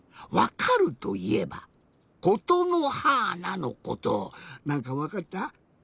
わかるといえば「ことのはーな」のことなんかわかった？